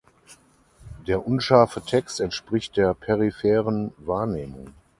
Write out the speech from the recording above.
Der unscharfe Text entspricht der peripheren Wahrnehmung.